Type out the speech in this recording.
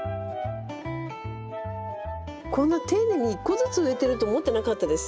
こんな丁寧に１個ずつ植えてると思ってなかったです。